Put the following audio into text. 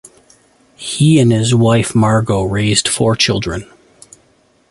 He and his wife Margo raised four children.